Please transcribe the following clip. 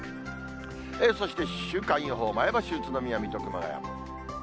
そして週間予報、前橋、宇都宮、水戸、熊谷。